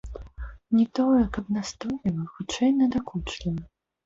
Не тое, каб настойліва, хутчэй надакучліва.